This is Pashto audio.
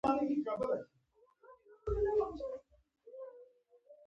د بوی د حس د ورکیدو لپاره د پوزې معاینه وکړئ